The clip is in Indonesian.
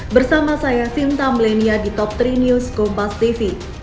bersama saya sinta milenia di top tiga news kompas tv